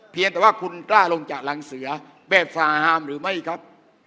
เพียงแต่ว่าคุณกล้าลงจากรังเสือแบบฟาฮามหรือไม่ครับ